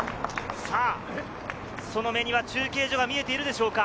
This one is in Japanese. その目には中継所が見えているでしょうか？